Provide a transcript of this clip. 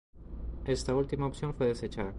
Esta última opción fue desechada.